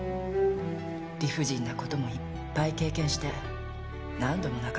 理不尽なこともいっぱい経験して何度も泣かされて。